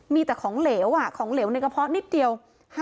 มีแต่ของเหลวของเหลวในกระเพาะนิดเดียว